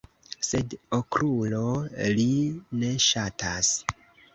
Sed Okrulo, ri ne ŝatas.